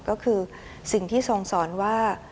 ก็คือสิ่งที่ทรงสอนว่า